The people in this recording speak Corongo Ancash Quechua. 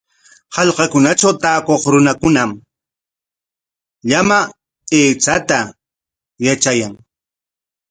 Hallqakunatraw taakuq runakunam llama aychata yatrayan.